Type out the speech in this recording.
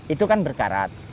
itu kan berkarat